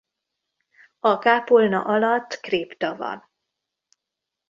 A kápolna alatt kripta van.